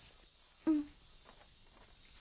うん。